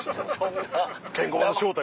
ケンコバの正体